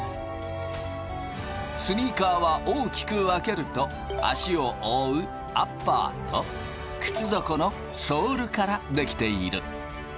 スニーカーは大きく分けると足を覆うアッパーと靴底のソールから出来ている。